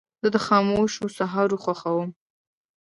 زه د خاموشو سهارو خوښوم.